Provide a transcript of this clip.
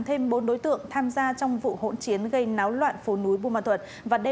thêm bốn đối tượng tham gia trong vụ hỗn chiến gây náo loạn phố núi bù mà thuật